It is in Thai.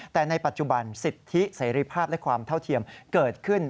แต่ในปัจจุบันสิทธิเสรีภาพและความเท่าเทียมเกิดขึ้น